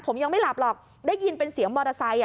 ผมยังไม่หลับหรอกได้ยินเป็นเสียงมอเตอร์ไซค์